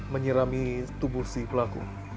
menyerami tubuh si pelaku